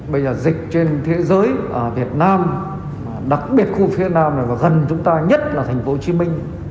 bây giờ dịch trên thế giới việt nam đặc biệt khu phía nam này và gần chúng ta nhất là thành phố hồ chí minh